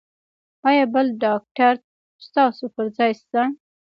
ایا بل ډاکټر ستاسو پر ځای شته؟